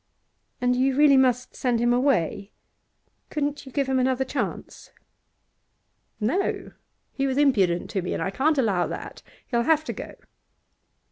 'And you really must send him away? Couldn't you give him another chance?' 'No. He was impudent to me, and I can't allow that. He'll have to go.